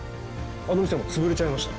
あの店はもう潰れちゃいました。